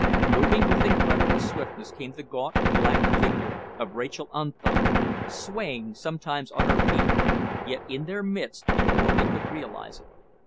Moving with incredible swiftness came the gaunt, black figure of Rachael Unthank, swaying sometimes on her feet, yet in their midst before they could realise it.